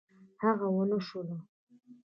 هغه ونشوله.